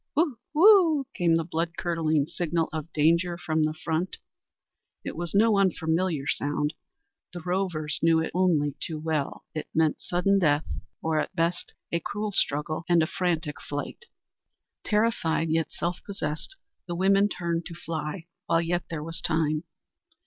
"Whoo! whoo!" came the blood curdling signal of danger from the front. It was no unfamiliar sound the rovers knew it only too well. It meant sudden death or at best a cruel struggle and frantic flight. Terrified, yet self possessed, the women turned to fly while yet there was time.